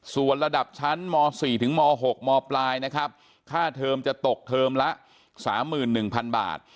ส่วนระดับชั้นม๔ถึงม๖มปลายนะครับค่าเทอมจะตกเทอมละ๓๑๐๐๐บาท